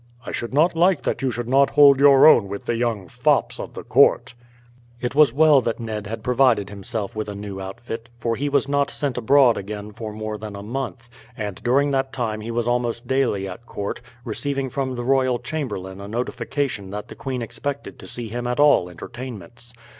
I should not like that you should not hold your own with the young fops of the court." It was well that Ned had provided himself with a new outfit, for he was not sent abroad again for more than a month, and during that time he was almost daily at court, receiving from the royal chamberlain a notification that the queen expected to see him at all entertainments.